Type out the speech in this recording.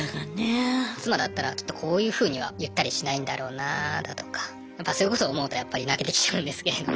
妻だったらきっとこういうふうには言ったりしないんだろうなだとかやっぱそういうこと思うとやっぱり泣けてきちゃうんですけれども。